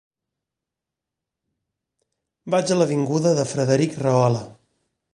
Vaig a l'avinguda de Frederic Rahola.